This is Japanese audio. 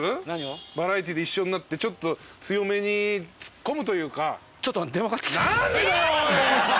バラエティーで一緒になってちょっと強めにツッコむというか。